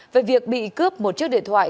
về việc bị cướp một chiếc điện thoại